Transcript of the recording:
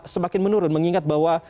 semakin menurun mengingat bahwa